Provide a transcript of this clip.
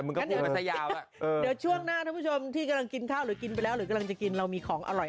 เดี๋ยวช่วงหน้าท่านผู้ชมที่กำลังกินข้าวหรือกินไปแล้วหรือกำลังจะกินเรามีของอร่อย